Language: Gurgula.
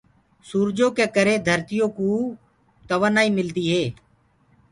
سوُرجو ڪي ڪري گر سي ڪوُ توآبآئي ميدي هي۔